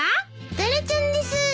タラちゃんです。